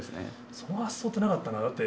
その発想ってなかったな。